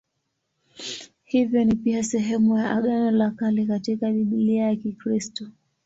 Hivyo ni pia sehemu ya Agano la Kale katika Biblia ya Kikristo.